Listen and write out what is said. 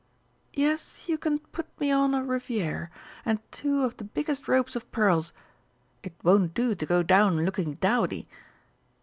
Yes, you can put me on a rivière, and two of the biggest ropes of pearls.... It won't do to go down looking dowdy.